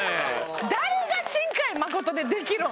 誰が「新海誠」でできるん？